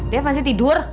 dev masih tidur